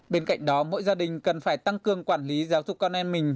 bên cạnh đó mỗi gia đình cần phải tăng cường quản lý giáo dục con em mình